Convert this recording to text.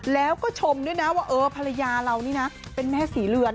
แล้วก็ชมด้วยนะว่าเออภรรยาเรานี่นะเป็นแม่ศรีเรือน